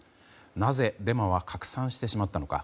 なぜ、デマは拡散してしまったのか。